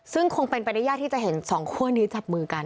ซึ่งคงเป็นไปได้ยากที่จะเห็นสองคั่วนี้จับมือกัน